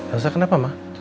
elsa kenapa ma